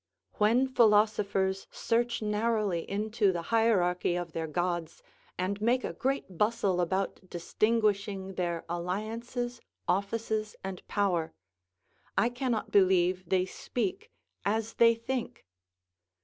When philosophers search narrowly into the hierarchy of their gods, and make a great bustle about distinguishing their alliances, offices, and power, I cannot believe they speak as they think.